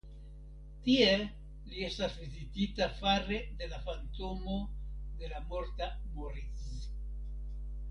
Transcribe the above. Tie li estas vizitita fare de la fantomo de la morta Moritz.